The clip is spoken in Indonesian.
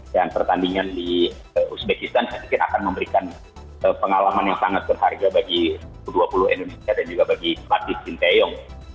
pertandingan di uzbekistan saya pikir akan memberikan pengalaman yang sangat berharga bagi u dua puluh indonesia dan juga bagi pelatih sinteyong